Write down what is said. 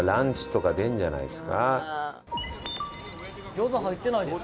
餃子入ってないですね。